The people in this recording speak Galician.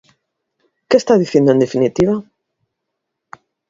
¿Que está dicindo, en definitiva?